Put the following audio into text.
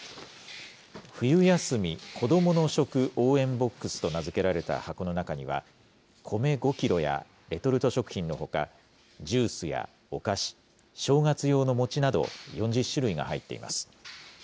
冬休み子どもの食応援ボックスと名付けられた箱の中には、コメ５キロや、レトルト食品のほか、ジュースやお菓子、正月用の餅など、４０種類が入っています。